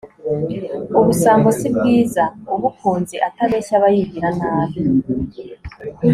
ubusambo si bwiza ubukunze atabeshya aba yigira nabi